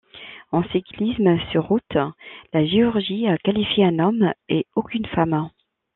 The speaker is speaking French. En cyclisme sur route, la Géorgie a qualifié un homme et aucune femme.